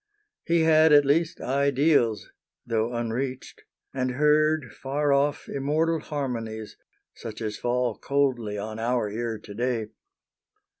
He had at least ideals, though unreached, And heard, far off, immortal harmonies, Such as fall coldly on our ear to day.